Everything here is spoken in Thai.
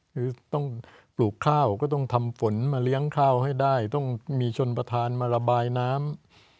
คือต้องปลูกข้าวก็ต้องทำฝนมาเลี้ยงข้าวให้ได้ต้องมีชนประธานมาระบายน้ำ